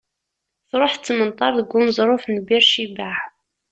Tṛuḥ, tettmenṭar deg uneẓruf n Bir Cibaɛ.